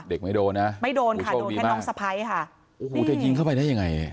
ไม่โดนนะไม่โดนค่ะโดนแค่น้องสะพ้ายค่ะโอ้โหจะยิงเข้าไปได้ยังไง